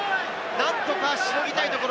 何とか凌ぎたいところ。